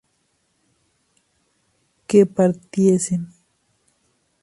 que partiesen